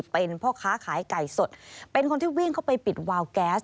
เป็นพ่อค้าขายไก่สดเป็นคนที่วิ่งเข้าไปปิดวาวแก๊ส